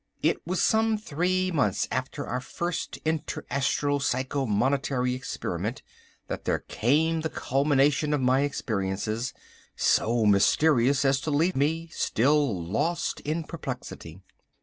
It was some three months after our first inter astral psycho monetary experiment, that there came the culmination of my experiences—so mysterious as to leave me still lost in perplexity.